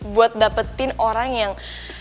buat dapetin orang yang